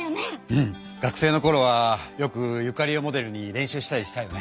うん！学生のころはよくユカリをモデルに練習したりしたよね。